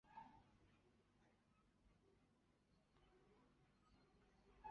同时是没有转辙器的棒线车站。